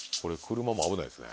車も危ないですね。